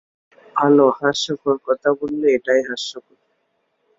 ভালো, হাস্যকর কথা বললে, এটা সত্যিই হাস্যকর।